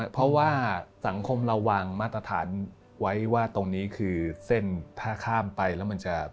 เพราะว่าสังคมเราวางมาตรฐานไว้ว่าตรงนี้คือเส้นถ้าข้ามไปแล้วมันจะ